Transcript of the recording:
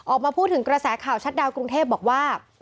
ออกมาพูดถึงกระแสข่าวชัดดาวกรุงเทพบอกว่า